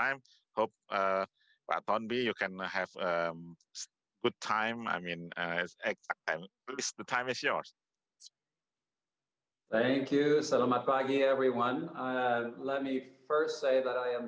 indonesia dan jakarta terutama memiliki lebih banyak kesempatan